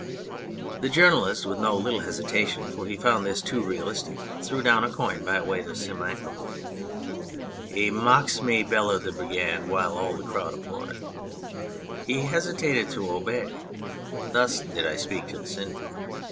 193 o On Anything The journalist with no little hesitation (for he found this too realistic) threw down a coin by way of simulacrum. "He mocks me!" bellowed the Brigand, while all the crowd applauded. " He hesitates to obey (thus did I speak to the Syndic).